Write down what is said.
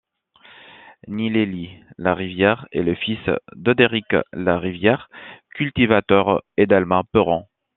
Nil-Élie Larivière est le fils d'Odéric Larivière, cultivateur, et d'Alma Perron.